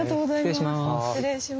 失礼します。